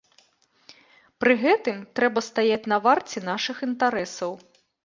Пры гэтым трэба стаяць на варце нашых інтарэсаў.